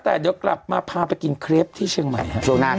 แต่เดี๋ยวกลับมาพาไปกินเคล็ปที่เชียงใหม่